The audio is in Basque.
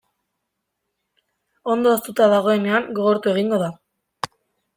Ondo hoztuta dagoenean gogortu egingo da.